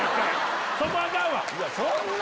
そこアカンわ！